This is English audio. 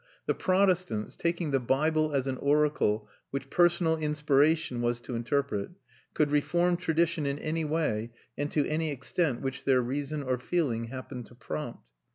The Protestants, taking the Bible as an oracle which personal inspiration was to interpret, could reform tradition in any way and to any extent which their reason or feeling happened to prompt.